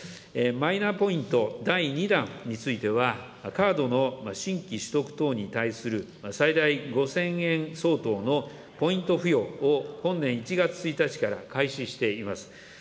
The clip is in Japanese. マイナポイント第２弾については、カードの新規取得等に対する最大５０００円相当のポイント付与を本年１月１日から開始しています。